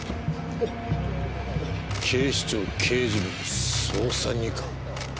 警視庁刑事部捜査二課。